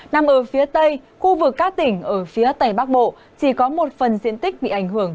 nằm ở phía tây khu vực các tỉnh ở phía tây bắc bộ chỉ có một phần diện tích bị ảnh hưởng